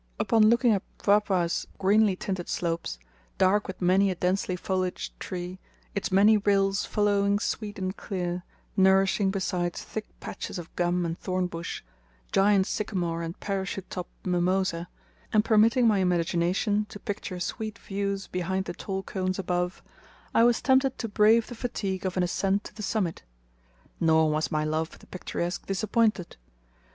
Upon looking at Mpwapwa's greenly tinted slopes, dark with many a densely foliaged tree; its many rills flowing sweet and clear, nourishing besides thick patches of gum and thorn bush, giant sycamore and parachute topped mimosa, and permitting my imagination to picture sweet views behind the tall cones above, I was tempted to brave the fatigue of an ascent to the summit. Nor was my love for the picturesque disappointed.